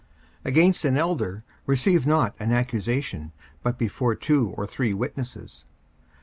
54:005:019 Against an elder receive not an accusation, but before two or three witnesses.